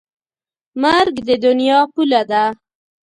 مرګ د دنیا پوله ده.